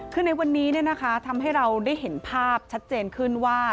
คือในวันนี้ทำให้เราได้เห็นภาพชัดเจนขึ้นว่า